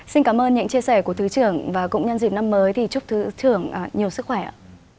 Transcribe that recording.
xin cảm ơn những chia sẻ của thứ trưởng và cũng nhân dịp năm mới thì chúc thứ trưởng nhiều sức khỏe ạ